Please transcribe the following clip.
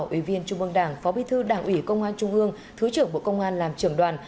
ủy viên trung mương đảng phó bí thư đảng ủy công an trung ương thứ trưởng bộ công an làm trưởng đoàn